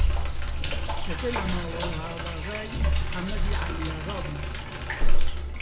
کچەکە لە ماڵە وەهاباغای حەمەدی عەلیاغا بوو